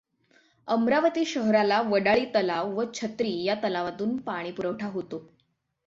अमरावती शहराला वडाळी तलाव व छत्री या तलावांतून पाणी पुरवठा होतो.